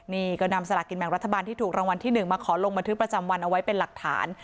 นี่ก็นำสลากกินแบ่งรัฐบาลที่ถูกรางวัลที่๑มาขอลงบันทึกประจำวันเอาไว้เป็นหลักฐาน